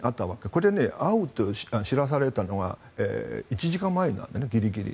これ、会うって知らされたのが１時間前なんですね、ギリギリ。